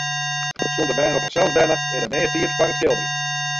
Sûnt de bern op harsels binne, is der mear tiid foar it skilderjen.